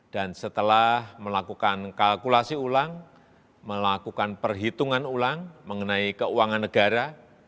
dan setelah melakukan kalkulasi ulang melakukan perhitungan ulang mengenai keuangan negara